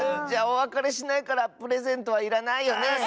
じゃおわかれしないからプレゼントはいらないよね。